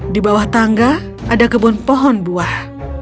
di bawah tangga ada kebun pohon buah